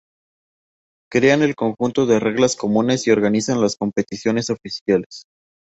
Crean el conjunto de reglas comunes y organizan las competiciones oficiales.